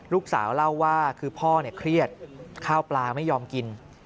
ลูกสาวเล่าว่าคือพ่อเครียดข้าวปลาไม่ยอมกิน